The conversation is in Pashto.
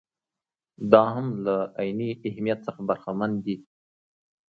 دا هم له عیني اهمیت څخه برخمن دي.